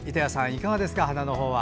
いかがですか花の方は。